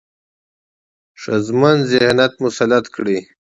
ښځمن ذهنيت مسلط کړي،